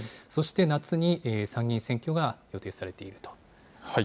そして夏に参議院選挙が予定されていると。